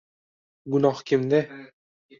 Gunoh kimda?